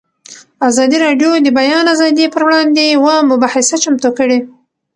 ازادي راډیو د د بیان آزادي پر وړاندې یوه مباحثه چمتو کړې.